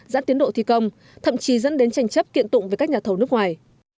giãn tiến độ thi công thậm chí dẫn đến tranh chấp kiện tụng với các nhà thầu nước ngoài